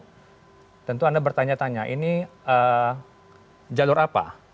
jadi tentu anda bertanya tanya ini jalur apa